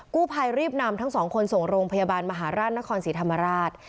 กู้ภัยรีบนำทั้งสองคนส่งโรงพยาบาลมหาราชนครศรีธรรมราช